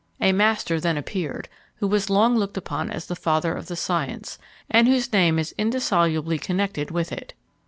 A master then appeared, who was long looked upon as the father of the science, and whose name is indissolubly connected with it.